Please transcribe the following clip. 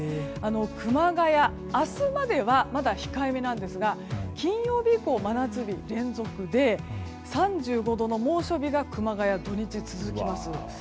熊谷、明日まではまだ控えめなんですが金曜日以降、真夏日連続で３５度の猛暑日が熊谷、土日続きます。